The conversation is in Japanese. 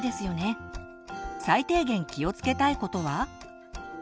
最低限気をつけたいことは？